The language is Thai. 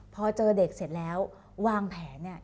พอเจอเด็กเสร็จแล้ววางแผนเนี่ย